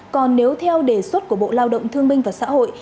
còn nếu theo đề xuất của bộ lao động thương minh và xã hội